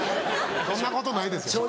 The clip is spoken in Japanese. そんなことないです。